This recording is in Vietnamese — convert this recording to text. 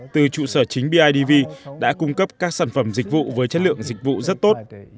từ trụ sở chính bidv đã cung cấp các sản phẩm dịch vụ với chất lượng dịch vụ rất tốt